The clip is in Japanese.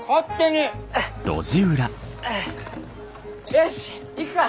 よし行くか！